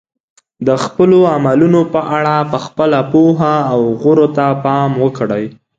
د خپلو عملونو په اړه په خپله پوهه او غورو ته پام وکړئ.